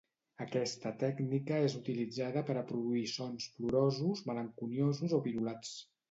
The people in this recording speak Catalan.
Aquesta tècnica és utilitzada per a produir sons plorosos, malenconiosos o virolats.